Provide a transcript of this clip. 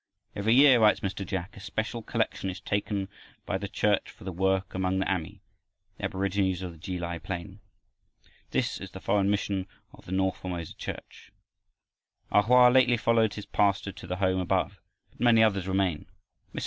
"Every year," writes Mr. Jack, "a special collection is taken by the Church for the work among the Ami the aborigines of the Ki lai plain." This is the foreign mission of the north Formosa Church. A Hoa lately followed his pastor to the home above, but many others remain. Mr.